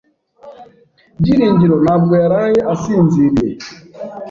Byiringiro ntabwo yaraye asinziriye.